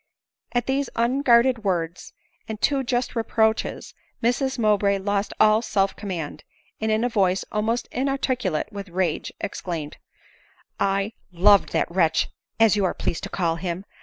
At these unguarded words, and too just reproaches, Mrs Mowbray lost all self command ; and in a voice, almost inarticulate with rage, exclaimed ;" I loved that wretch, as you are pleased to call him.